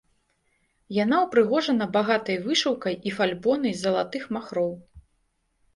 Яна ўпрыгожана багатай вышыўкай і фальбонай з залатых махроў.